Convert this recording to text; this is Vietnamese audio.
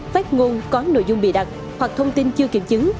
phát ngôn có nội dung bịa đặt hoặc thông tin chưa kiểm chứng